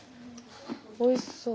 おいしそう。